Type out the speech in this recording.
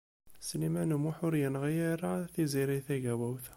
Sliman U Muḥ ur yenɣi ara Tiziri Tagawawt.